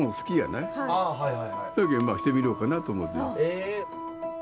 え。